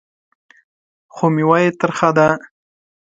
خو مېوه یې ترخه ده .